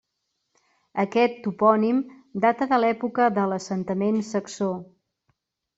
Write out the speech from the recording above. Aquest topònim data de l'època de l'assentament saxó.